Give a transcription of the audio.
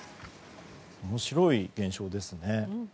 面白い現象ですね。